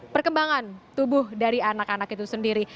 perkembangan tubuh dari anak anak itu sendiri